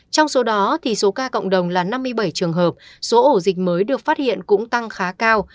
trong số đó số ca cộng đồng là năm mươi bảy trường hợp số ổ dịch mới được phát hiện cũng tăng khá cao